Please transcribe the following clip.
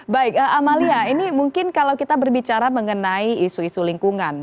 baik amalia ini mungkin kalau kita berbicara mengenai isu isu lingkungan